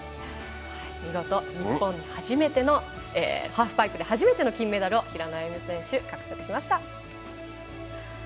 見事、日本初めてのハーフパイプで初めての金メダルを平野歩夢選手、獲得しました。